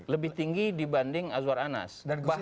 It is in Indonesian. lebih tinggi dibanding azwar anas